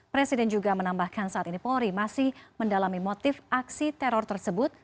presiden juga menambahkan saat ini polri masih mendalami motif aksi teror tersebut